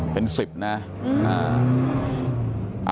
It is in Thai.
เป็นสิบนะ